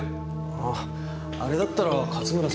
あぁあれだったら勝村さんに渡して。